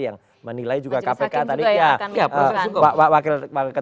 yang menilai juga kpk tadi maju sakim juga yang akan